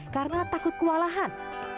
karena takut kewalahan